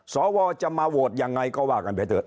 สวจะมาโหวตยังไงก็ว่ากันไปเถอ